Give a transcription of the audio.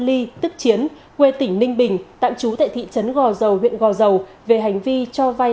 ly tức chiến quê tỉnh ninh bình tạm chú tại thị trấn gò dầu huyện gò dầu về hành vi cho vay